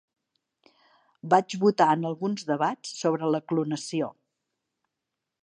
Vaig votar en alguns debats sobre la clonació.